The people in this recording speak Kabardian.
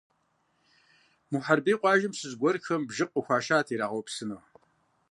Мухьэрбий къуажэм щыщ гуэрхэм бжыкъу къыхуашат ирагъэупсыну.